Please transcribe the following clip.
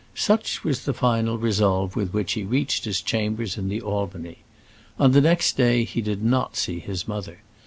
Such was the final resolve with which he reached his chambers in the Albany. On the next day he did not see his mother.